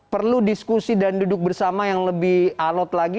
perlu diskusi dan duduk bersama yang lebih alot lagi